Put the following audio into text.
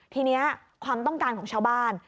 ทีนี้ความต้องการของชาวบ้าน